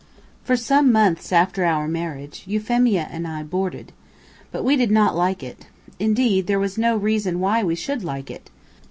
For some months after our marriage, Euphemia and I boarded. But we did not like it. Indeed, there was no reason why we should like it.